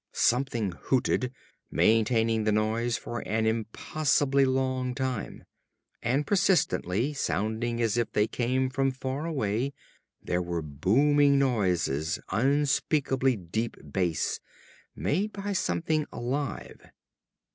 Something hooted, maintaining the noise for an impossibly long time. And persistently, sounding as if they came from far away, there were booming noises, unspeakably deep bass, made by something alive.